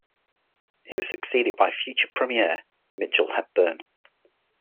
He was succeeded by future Premier Mitchell Hepburn.